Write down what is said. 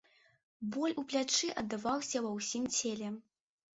Боль у плячы аддаваўся ва ўсім целе.